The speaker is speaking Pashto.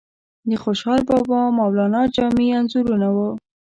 د خوشحال بابا، مولانا جامی انځورونه وو.